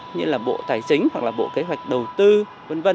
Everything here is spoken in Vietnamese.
như là bộ tài chính hoặc là bộ kế hoạch đầu tư v v